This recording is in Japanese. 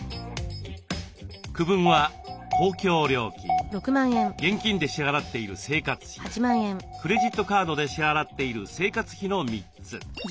区分は公共料金現金で支払っている生活費クレジットカードで支払っている生活費の３つ。